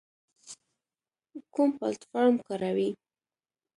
کوم پلتفارم کاروئ؟